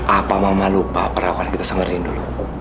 apa mama lupa perawatan kita samarin dulu